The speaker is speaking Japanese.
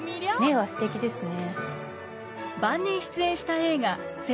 目がすてきですね。